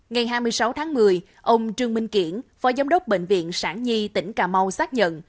ngày hai mươi sáu tháng một mươi ông trương minh kiển phó giám đốc bệnh viện sản di tỉnh cà mau xác nhận